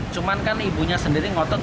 cuman kan ibunya sendiri ngotot